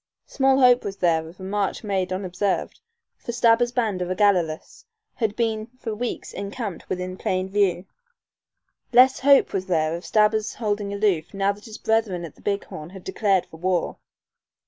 Small hope was there of a march made unobserved, for Stabber's band of Ogalallas had been for weeks encamped within plain view. Less hope was there of Stabber's holding aloof now that his brethren at the Big Horn had declared for war.